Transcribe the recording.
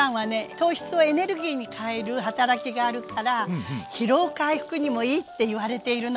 糖質をエネルギーに変える働きがあるから疲労回復にもいいって言われているの。